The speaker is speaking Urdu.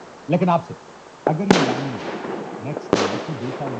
تو ایسے لوگوں کا یرغمال بننے سے انکار کر سکتا ہے۔